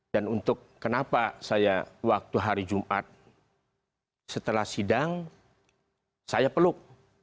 dan untuk kenapa saya waktu hari jumat setelah sidang saya peluk